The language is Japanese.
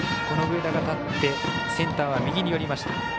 この上田が立ってセンターは右に寄りました。